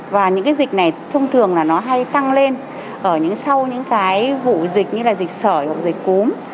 và những cái dịch này thông thường là nó hay tăng lên ở những sau những cái vụ dịch như là dịch sởi hoặc dịch cúm